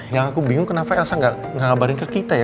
yang aku bingung kenapa elsa gak ngabarin ke kita ya